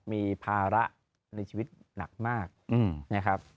มีภาระในชีวิตหนักมากนะครับ